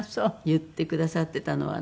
言ってくださっていたのはね